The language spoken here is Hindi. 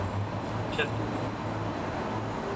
चतुर!